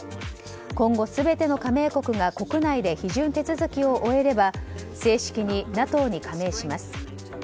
今後、全ての加盟国が国内で批准手続きを終えれば正式にＮＡＴＯに加盟します。